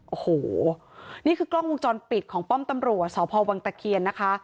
โอ้โหนี่คือกล้องวงจรปิดของป้อมตำรวจสพวังตะเคียนนะคะ